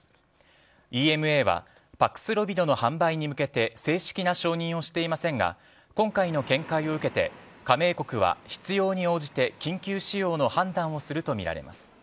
ＥＭＡはパクスロビドの販売に向けて正式な承認をしていませんが今回の見解を受けて加盟国は必要に応じて緊急使用の判断をするとみられます。